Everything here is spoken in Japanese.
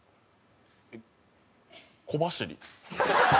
小走り。